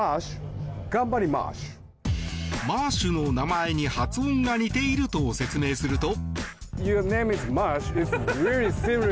マーシュの名前に発音が似ていると説明すると。